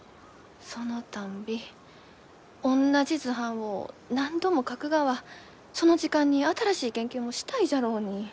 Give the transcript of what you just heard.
そのたんびおんなじ図版を何度も描くがはその時間に新しい研究もしたいじゃろうに。